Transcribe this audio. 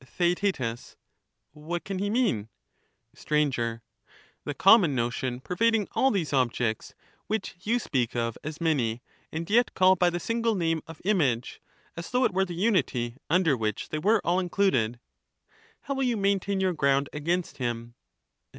Theaet. What can he mean ? Str. The common notion pervading all these objects, which you speak of as many, and yet call by the single name of image, as though it were the unity under which they were all included. How will you maintain your ground against him